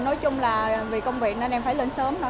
nói chung là vì công việc nên em phải lên sớm nữa